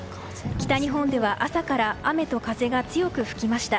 北日本では朝から雨と風が強く吹きました。